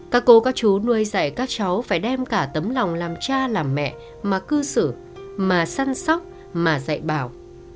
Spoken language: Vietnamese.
các cô các chú nuôi dạy các cháu phải đem cả tấm lòng làm cha làm mẹ mà cư xử mà săn sóc mà dạy bảo